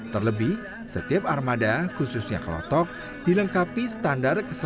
terlebih setiap armada khususnya kelotok dilengkapi standar keselamatan dan kesehatan terhadap muslim